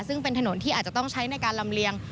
ซึ่งเป็นถนนที่อาจจะต้องใช้ในการลำเลียง